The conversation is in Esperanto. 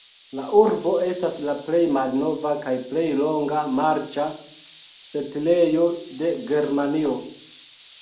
La urbo estas la plej malnova kaj plej longa marĉa setlejo de Germanio.